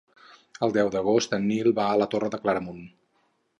El deu d'agost en Nil va a la Torre de Claramunt.